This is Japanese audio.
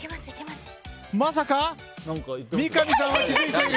三上さんは気づいている。